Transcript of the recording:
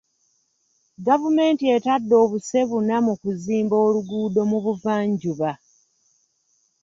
Gavumenti etadde obuse buna mu kuzimba oluguudo mu buvanjuba.